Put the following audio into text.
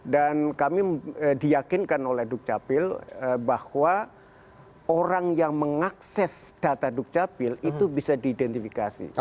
dan kami diyakinkan oleh dukcapil bahwa orang yang mengakses data dukcapil itu bisa diidentifikasi